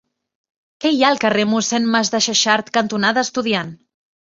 Què hi ha al carrer Mossèn Masdexexart cantonada Estudiant?